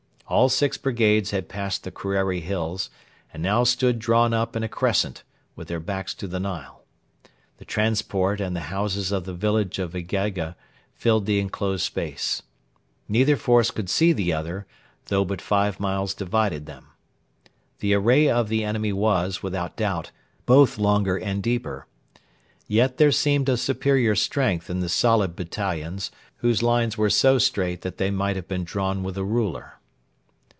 All six brigades had passed the Kerreri Hills, and now stood drawn up in a crescent, with their backs to the Nile. The transport and the houses of the village of Egeiga filled the enclosed space. Neither force could see the other, though but five miles divided them. The array of the enemy was, without doubt, both longer and deeper. Yet there seemed a superior strength in the solid battalions, whose lines were so straight that they might have been drawn with a ruler.